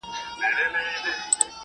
قرباني ورکول د کورنۍ یوه مسؤلیت ده.